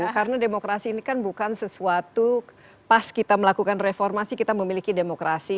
karena demokrasi ini kan bukan sesuatu pas kita melakukan reformasi kita memiliki demokrasi